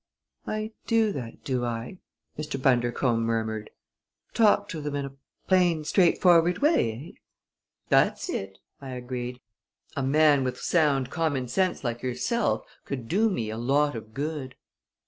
"I do that do I?" Mr. Bundercombe murmured. "Talk to them in a plain, straightforward way, eh?" "That's it," I agreed. "A man with sound common sense like yourself could do me a lot of good."